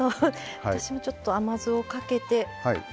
私もちょっと甘酢をかけて。